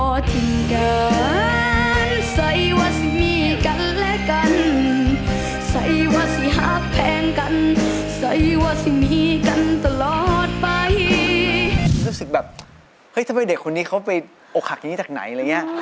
รู้สึกแบบเฮ้ยทำไมเด็กคนนี้เขาไปโอกหักอย่างนี้จากไหน